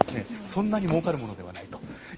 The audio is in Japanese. そんなにもうかるものではないと。